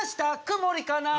「曇りかな」